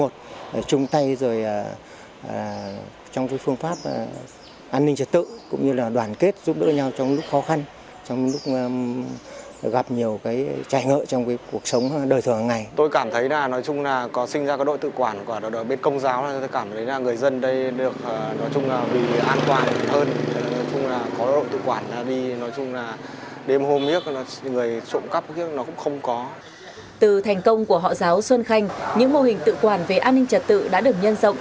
từ thành công của họ giáo xuân khanh những mô hình tự quản về an ninh trật tự đã được nhân rộng